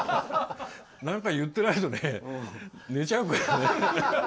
なんか言ってないと寝ちゃうから。